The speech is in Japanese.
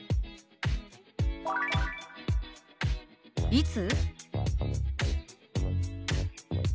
「いつ？」。